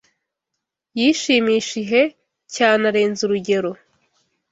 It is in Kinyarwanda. Yishimishihe cyane arenza urugero